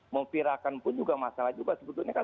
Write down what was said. mempirakan pun juga masalah juga sebetulnya kan